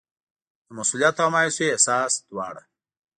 د مسوولیت او مایوسۍ احساس دواړه.